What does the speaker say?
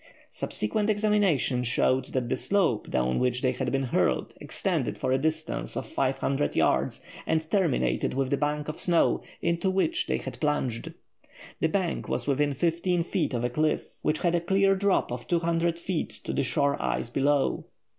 Subsequent examination showed that the slope down which they had been hurled extended for a distance of five hundred yards and terminated with the bank of snow, into which they had plunged. The bank was within fifteen feet of a cliff which had a clear drop of two hundred feet to the shore ice below.